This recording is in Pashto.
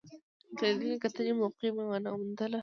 د لیدنې کتنې موقع مې ونه موندله.